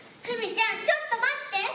ふみちゃん、ちょっと待って。